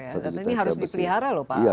satu juta hektar ya